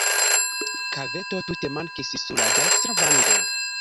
Kaveto tute mankis sur la dekstra vango.